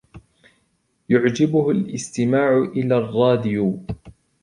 يعجبه الاستماع إلى الراديو.